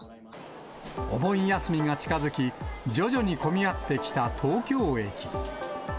お盆休みが近づき、徐々に混み合ってきた東京駅。